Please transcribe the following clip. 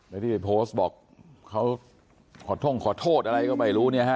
ในที่โพสต์บอกเขาขอโทษอะไรก็ไม่รู้เนี่ยฮะ